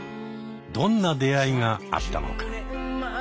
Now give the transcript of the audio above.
どんな出会いがあったのか。